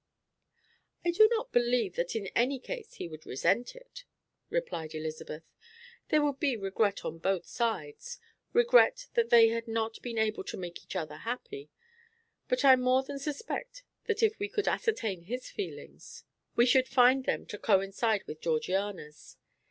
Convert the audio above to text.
"I do not believe that in any case he would resent it," replied Elizabeth. "There would be regret on both sides regret that they had not been able to make each other happy; but I more than suspect that if we could ascertain his feelings, we should find them to coincide with Georgiana's.